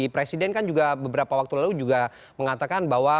presiden juga beberapa waktu lalu mengatakan bahwa